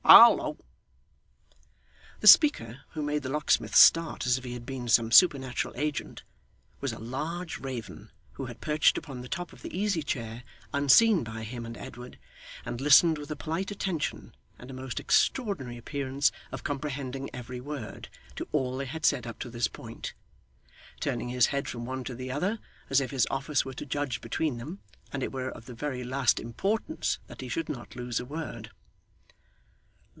Hal loa!' The speaker who made the locksmith start as if he had been some supernatural agent was a large raven, who had perched upon the top of the easy chair, unseen by him and Edward, and listened with a polite attention and a most extraordinary appearance of comprehending every word, to all they had said up to this point; turning his head from one to the other, as if his office were to judge between them, and it were of the very last importance that he should not lose a word.